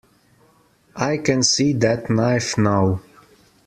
I can see that knife now.